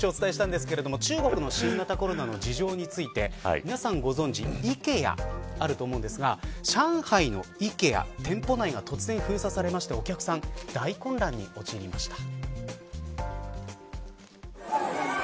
昨日も少しお伝えしたんですが中国の新型コロナの事情について皆さんご存じだと思いますが上海のＩＫＥＡ、店舗内が突然封鎖されましてお客さんを大混乱に陥りました。